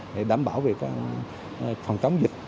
để đảm bảo về phòng chống dịch